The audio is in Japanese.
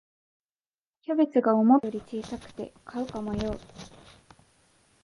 キャベツが思ったより小さくて買うか迷う